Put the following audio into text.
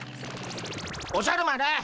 おじゃる丸。